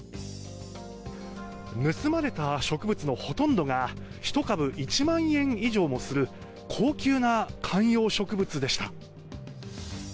盗まれた植物のほとんどが１株１万円以上もする高級な観葉植物でした。